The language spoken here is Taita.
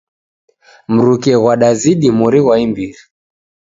Mruke ghwadazidi mori ghwa imbiri.